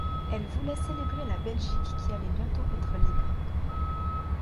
Elle voulait célébrer la Belgique qui allait bientôt être libre.